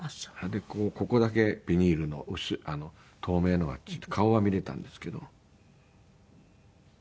ここだけビニールの透明のが付いて顔は見れたんですけど。